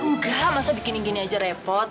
enggak masa bikin ini aja repot